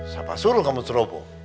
siapa suruh kamu cirobo